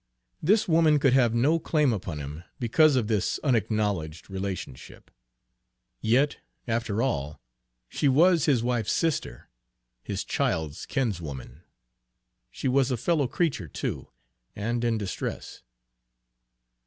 This woman could have no claim upon him because of this unacknowledged relationship. Yet, after all, she was his wife's sister, his child's kinswoman. She was a fellow creature, too, and in distress.